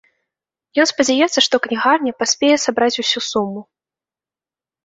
Ён спадзяецца, што кнігарня паспее сабраць усю суму.